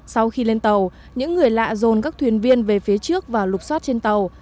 sau khi lên tàu những người lạ dồn các thuyền viên về phía trước và lục xoát trên tàu